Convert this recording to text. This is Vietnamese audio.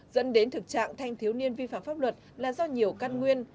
dẫn đến thực trạng thanh thiếu niên vi phạm pháp luật là do nhiều căn nguyên